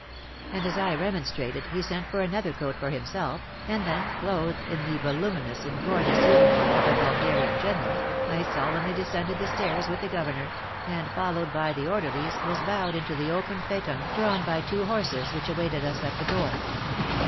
And as I remonstrated, he sent for another coat for himself, and then, clothed in the voluminous and gorgeous uni form of a Bulgarian general, I solemnly de scended the stairs with the Governor, and, followed by the orderlies, was bowed into the open phaeton drawn by two horses which awaited us at the door.